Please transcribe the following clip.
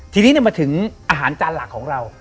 ทีนี้มาถึงอาหารจานหลักของเรา